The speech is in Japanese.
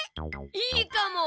いいかも。